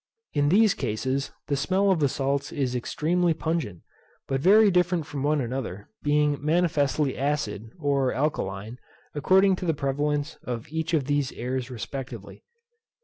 In these cases the smell of the salts is extremely pungent, but very different from one another; being manifestly acid, or alkaline, according to the prevalence of each of these airs respectively.